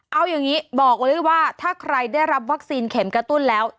เอาอย่างนี้บอกเลยว่าถ้าใครได้รับวัคซีนเข็มกระตุ้นแล้ว